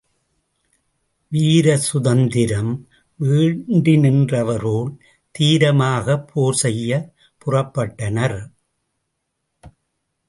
வீரசுதந்திரம் வேண்டி நின்றவர் போல் தீரமாகப் போர் செய்யப் புறப்பட்டனர்.